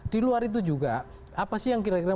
diluar itu juga apa sih yang kira kira